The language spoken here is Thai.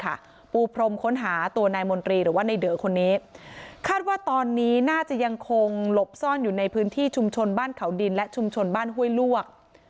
ปูพรมค้นหาตัวนายมนตรีหรือว่าในเดอคนนี้คาดว่าตอนนี้น่าจะยังคงหลบซ่อนอยู่ในพื้นที่ชุมชนบ้านเขาดินและชุมชนบ้านห้วยลวก